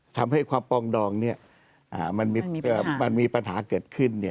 ทำให้ความปองดองมันมีปัญหาเกิดขึ้น